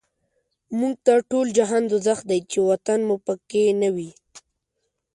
موږ ته ټول جهان دوزخ دی، چی وطن مو په کی نه وی